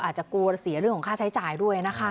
อาจจะกลัวเสียเรื่องของค่าใช้จ่ายด้วยนะคะ